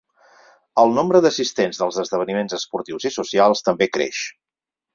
El nombre d’assistents dels esdeveniments esportius i socials també creix.